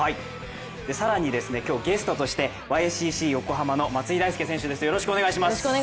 更に、今日、ゲストとしてＹ．Ｓ．Ｃ．Ｃ．横浜の松井大輔選手です。